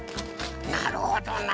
なるほどな。